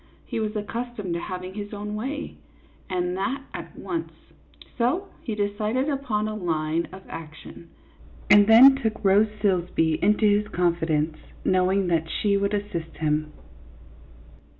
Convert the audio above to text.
He was accustomed to having his own way, and that at once ; so he decided upon a line of action, and then took Rose Silsbee into his confidence, knowing that she would assist him.